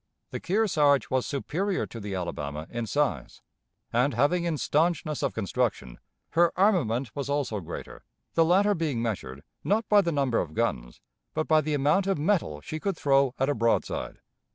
The Kearsarge was superior to the Alabama in size, and, having in stanchness of construction, her armament was also greater, the latter being measured, not by the number of guns, but by the amount of metal she could throw at a broadside.